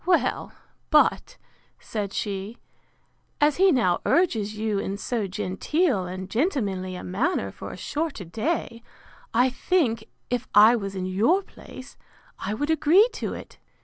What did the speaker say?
Well, but, said she, as he now urges you in so genteel and gentlemanly a manner for a shorter day, I think, if I was in your place, I would agree to it.